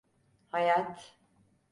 Hayat…